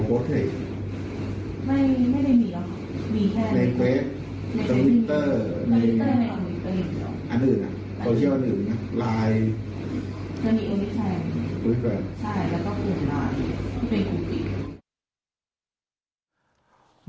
จะมีอันนี้ใช่ไหมครับใช่แล้วก็เป็นไลน์เป็นคุกอีก